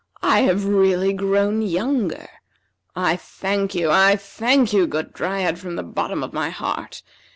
I have really grown younger. I thank you, I thank you, good Dryad, from the bottom of my heart.